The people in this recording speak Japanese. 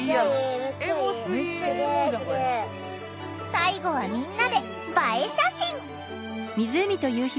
最後はみんなで映え写真！